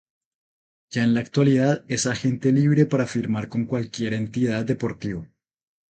Ya en la actualidad es agente libre para firmar con cualquier entidad deportiva.